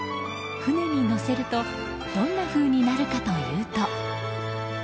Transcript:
船に乗せるとどんなふうになるかというと。